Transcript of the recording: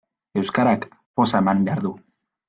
Euskarak poza eman behar du.